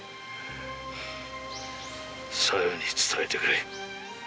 小夜に伝えてくれ。